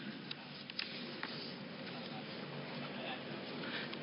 จึงฝากกลับเรียนเมื่อเรามีการแก้รัฐพาหารกันอีก